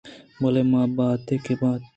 بلے مہ باتے کہ بات